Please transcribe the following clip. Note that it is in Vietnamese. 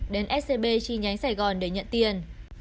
đến scb chi nhánh sài gòn để nhận tiền